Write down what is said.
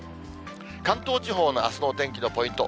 関東地方のあすのお天気のポイント。